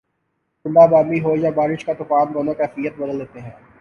بوندا باندی ہو یا بارش کا طوفان، دونوں کیفیت بدل دیتے ہیں